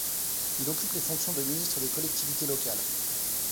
Il occupe les fonctions de ministre des Collectivités locales.